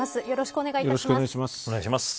よろしくお願いします。